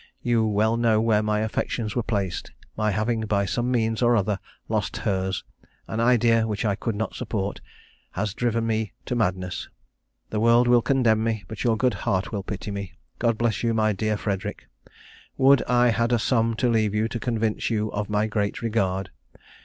You well know where my affections were placed: my having by some means or other lost hers (an idea which I could not support) has driven me to madness. The world will condemn me, but your good heart will pity me. God bless you, my dear Frederic! Would I had a sum to leave you to convince you of my great regard!